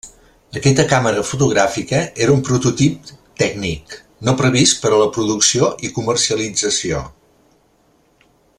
Aquesta càmera fotogràfica era un prototip tècnic, no previst per a la producció i comercialització.